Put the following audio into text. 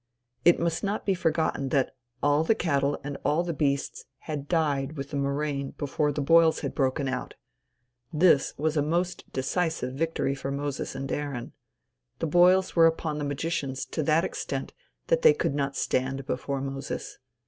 It must not be forgotten that all the cattle and all beasts had died with the murrain before the boils had broken out This was a most decisive victory for Moses and Aaron. The boils were upon the magicians to that extent that they could not stand before Moses.